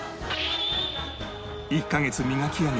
１カ月磨き上げ